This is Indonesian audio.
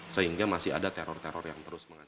sehingga masih ada teror teror yang terus mengacu